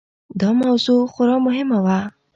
دا موضوع خورا مهمه وه.